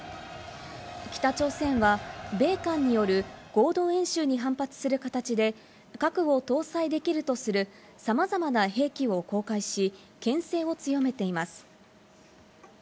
北朝鮮は米韓による合同演習に反発する形で核を搭載できるとする、さまざまな兵器を公開し、牽制を強めています。